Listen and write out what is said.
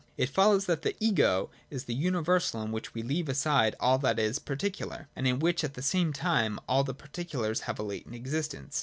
It follows that the ' Ego ' is the universal in which we leave aside all that is particular, and in which at the same time all the particulars have a latent existence.